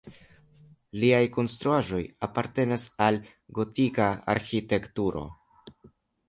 Liaj konstruaĵoj apartenas al gotika arĥitekturo.